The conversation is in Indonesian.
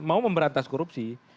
mau memberantas korupsi